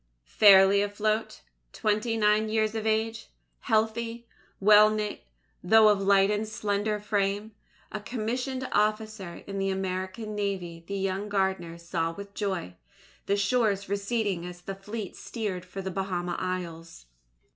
Fairly afloat twenty nine years of age healthy, well knit, though of light and slender frame a commissioned officer in the American Navy the young gardener saw with joy, the shores receding as the fleet steered for the Bahama Isles.